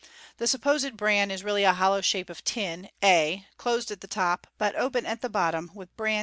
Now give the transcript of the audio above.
The supposed bran is really a hollow shape of tin, a, closed at the top, but open at the bottom, with bran